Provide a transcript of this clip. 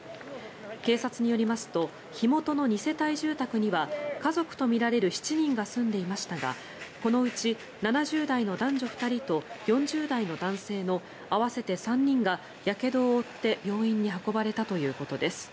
警察によりますと火元の２世帯住宅には家族とみられる７人が住んでいましたがこのうち７０代の男女２人と４０代の男性の合わせて３人がやけどを負って病院に運ばれたということです。